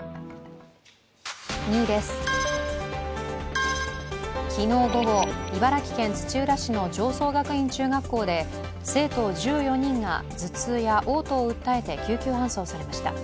２位です、昨日午後、茨城県土浦市の常総学院中学校で生徒１４人が頭痛やおう吐を訴えて救急搬送されました。